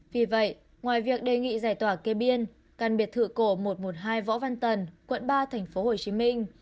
vì vậy ngoài việc đề nghị giải tỏa kê biên cần biệt thự cổ một trăm một mươi hai võ văn tần quận ba tp hcm